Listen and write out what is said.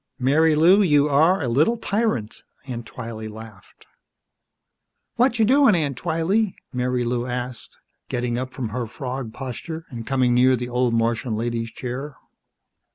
"Marilou, you are a little tyrant!" Aunt Twylee laughed. "Watcha' doin', Aunt Twylee?" Marilou asked, getting up from her frog posture and coming near the old Martian lady's chair.